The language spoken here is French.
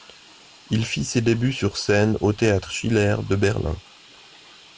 Il fit ses débuts sur scène au théâtre Schiller de Berlin.